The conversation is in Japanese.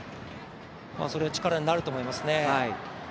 それは力になると思いますね。